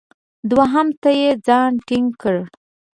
دوهم ته یې ځان ټینګ کړی.